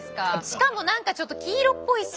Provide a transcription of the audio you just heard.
しかも何かちょっと黄色っぽいし。